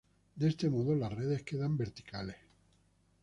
De este modo, las redes quedan verticales.